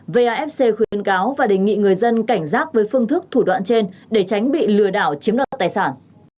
vafc khuyến cáo và đề nghị người dân cảnh giác với phương thức thủ đoạn trên để tránh bị lừa đảo chiếm đoạt tài sản